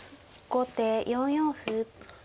後手４四歩。